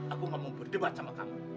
aku gak mau berdebat sama kamu